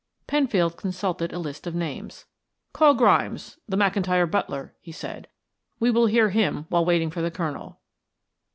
Penfield consulted a list of names. "Call Grimes, the McIntyre butler," he said. "We will hear him while waiting for the Colonel."